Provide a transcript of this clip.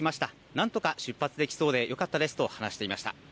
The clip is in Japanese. なんとか出発できそうでよかったですと、話していました。